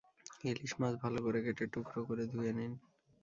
ইলিশ মাছ ভালো করে কেটে টুকরো করে ধুয়ে নিন।